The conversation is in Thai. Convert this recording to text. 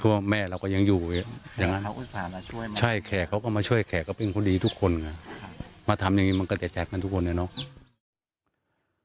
คือว่าแม่เราก็ยังอยู่ไงใช่แขกเขาก็มาช่วยแขกเขาเป็นคนดีทุกคนนะมาทำอย่างนี้มันก็เตี๋ยวใจกันทุกคนเนี่ยเนาะ